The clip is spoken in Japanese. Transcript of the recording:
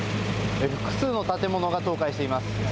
複数の建物が倒壊しています。